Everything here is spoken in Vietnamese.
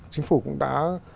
chính phủ cũng đã